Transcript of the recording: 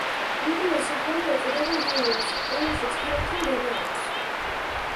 იგივე სახელი ეწოდება რაიონს, რომელშიც ქალაქი მდებარეობს.